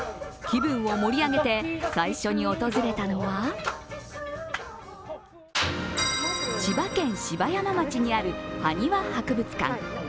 気分を盛り上げて最初に訪れたのは、千葉県芝山町にあるはにわ博物館。